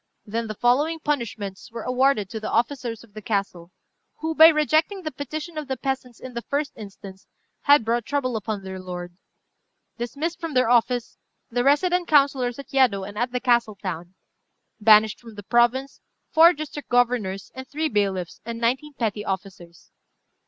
Then the following punishments were awarded to the officers of the castle, who, by rejecting the petition of the peasants in the first instance, had brought trouble upon their lord: "Dismissed from their office, the resident councillors at Yedo and at the castle town. "Banished from the province, four district governors, and three bailiffs, and nineteen petty officers.